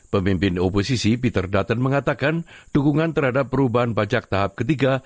pemimpin oposisi peter dutton mengatakan dukungan terhadap perubahan pajak tahap ketiga